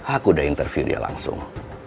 aku udah interview dia langsung